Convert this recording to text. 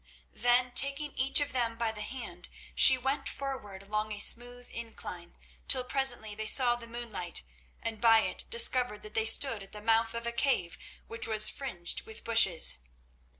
Then, taking each of them by the hand, she went forward along a smooth incline, till presently they saw the moonlight, and by it discovered that they stood at the mouth of a cave which was fringed with bushes.